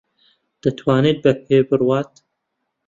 دەتوانێت بە پێ بڕوات.